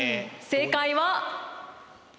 正解は？